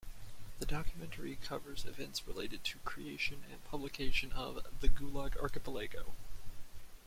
The documentary covers events related to creation and publication of "The Gulag Archipelago".